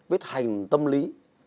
viết hành tâm lý